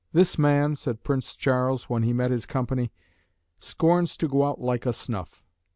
"This man," said Prince Charles, when he met his company, "scorns to go out like a snuff."